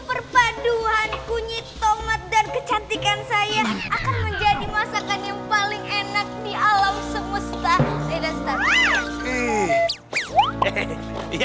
perpaduan kunyit tomat dan kecantikan saya akan menjadi masakan yang paling enak di alam semesta beda